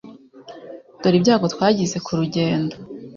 dore ibyago twagize kurugendo.